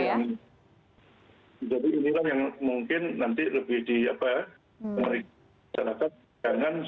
jadi inilah yang mungkin nanti lebih di apa ya